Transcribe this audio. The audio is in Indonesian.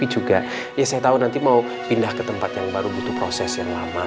juga ya saya tahu nanti mau pindah ke tempat yang baru butuh proses yang lama